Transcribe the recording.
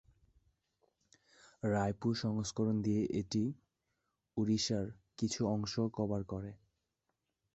রায়পুর সংস্করণ দিয়ে এটি "ওড়িশার" কিছু অংশও কভার করে।